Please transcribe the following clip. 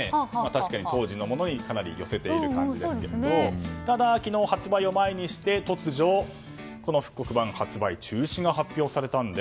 確かに当時のものにかなり寄せている感じですけどただ昨日、発売を前にして突如この復刻版の発売中止が発表されました。